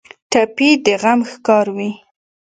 ټپي د غم ښکار وي.